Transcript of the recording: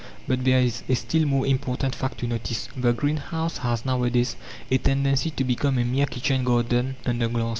But there is a still more important fact to notice. The greenhouse has nowadays a tendency to become a mere kitchen garden under glass.